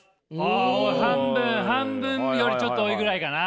あ半分半分よりちょっと多いぐらいかな？